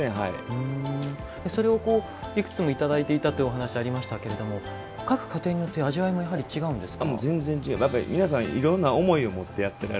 それを、いくつもいただいていたというお話がありましたけれども各家庭によって味わいも違うんですか。